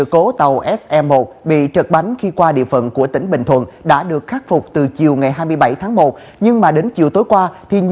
cảm ơn các bạn đã theo dõi